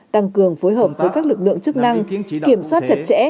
tăng cường phối hợp với các lực lượng chức năng kiểm soát chặt chẽ